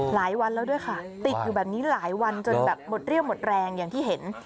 หลายวันแล้วด้วยค่ะติดอยู่แบบนี้หลายวันจนแบบหมดเรี่ยวหมดแรงอย่างที่เห็น